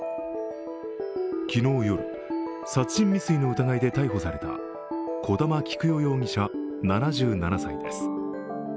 昨日夜、殺人未遂の疑いで逮捕された小玉喜久代容疑者７７歳です。